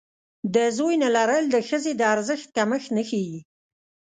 د زوی نه لرل د ښځې د ارزښت کمښت نه ښيي.